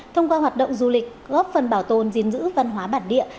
thông qua hoạt động du lịch góp phần bảo tồn diễn dữ văn hóa bản địa